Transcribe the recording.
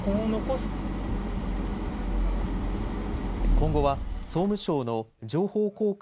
今後は総務省の情報公開